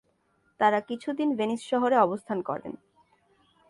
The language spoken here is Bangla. তারা কিছুদিন ভেনিস শহরে অবস্থান করেন।